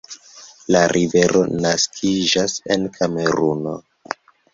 La rivero naskiĝas en Kameruno.